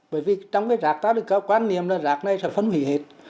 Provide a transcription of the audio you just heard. bởi vì trong cái rạc ta được có quan niệm là rạc này sẽ phân hủy hết